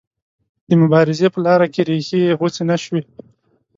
د مبارزې په لاره کې ریښې یې غوڅې نه شوې.